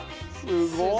すごいな。